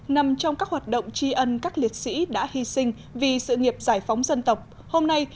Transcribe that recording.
nằm trong các hoạt động tri ân các liệt sĩ đã hy sinh vì sự nghiệp giải phóng dân tộc hôm nay